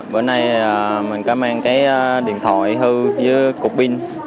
bữa nay mình có mang cái điện thoại hư với cục pin